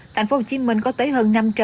tp hcm có tới hơn năm trăm năm mươi